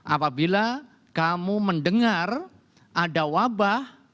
apabila kamu mendengar ada wabah